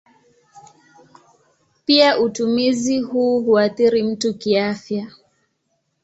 Pia utumizi huu huathiri mtu kiafya.